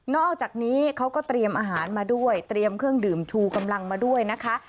อกจากนี้เขาก็เตรียมอาหารมาด้วยเตรียมเครื่องดื่มชูกำลังมาด้วยนะคะ